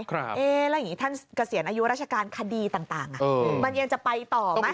แล้วอย่างนี้ท่านเกษียณอายุราชการคดีต่างมันยังจะไปต่อไหม